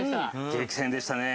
激戦でしたね。